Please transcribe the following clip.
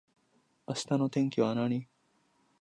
明日の天気は何